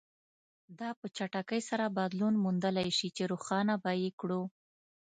دا په چټکۍ سره بدلون موندلای شي چې روښانه به یې کړو.